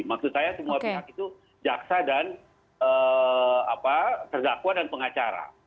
maksud saya semua pihak itu jaksa dan terdakwa dan pengacara